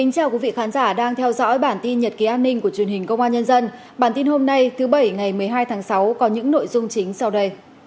các bạn hãy đăng ký kênh để ủng hộ kênh của chúng mình nhé